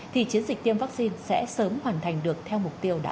thì chiến dịch tiêm vaccine sẽ sớm hoàn thành được theo mục tiêu đã đề ra